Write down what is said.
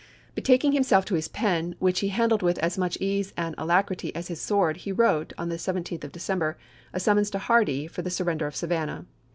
Betaking himself to his pen, which he handled with as much ease and alacrity as his sword, he wrote, on the 17th of December, a summons to Hardee for the surrender of Savannah.